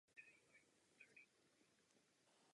Mnoho občanů má z geneticky modifikovaných organismů obavy.